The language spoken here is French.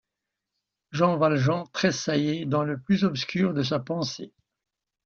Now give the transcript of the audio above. Jean Valjean tressaillait dans le plus obscur de sa pensée.